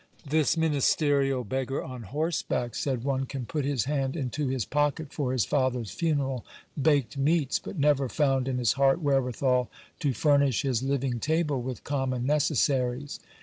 This ministerial beggar on horseback, said one, can put his hand into his pocket for his father's funeral baked meats, but never found in his heart wherewithal to furnish his living table with common necessaries.